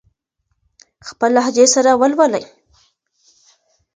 خپل لهجې سره ولولئ.